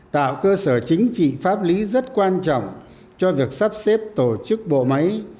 tạo cơ sở chính trị pháp lý rất quan trọng cho việc sắp xếp tổ chức bộ máy